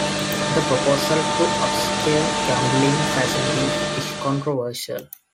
The proposal to upscale gambling facilities is controversial.